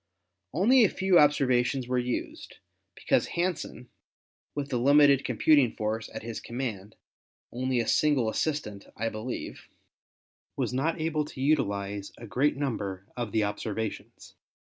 Only a few observations were used, because Hansen, with the limited computing force at his command — only a single assistant, I believe — was not able to utilize a great number of the observations.